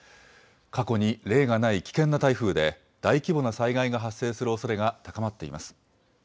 過去に例がない危険な台風で大規模な災害が発生するおそれが高まっています。